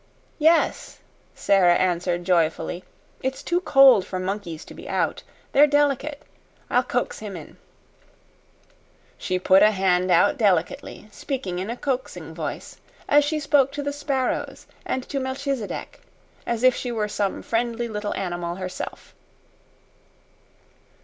"Yes," Sara answered joyfully. "It's too cold for monkeys to be out. They're delicate. I'll coax him in." She put a hand out delicately, speaking in a coaxing voice as she spoke to the sparrows and to Melchisedec as if she were some friendly little animal herself.